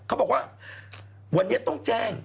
เขาบอกว่าวันนี้ต้องแจ้ง